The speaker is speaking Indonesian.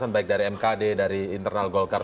untuk memundurkan setia novanto